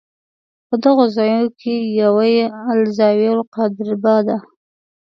په دغو زاویو کې یوه یې الزاویة القادربه ده.